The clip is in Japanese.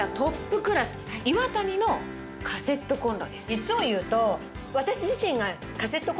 実を言うと。